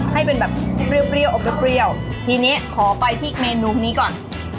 ให้เป็นแบบเปรี้ยวอบเปรี้ยวทีนี้ขอไปที่เมนูนี้ก่อน